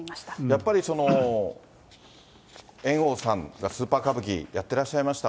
やっぱり猿翁さんがスーパー歌舞伎やってらっしゃいました。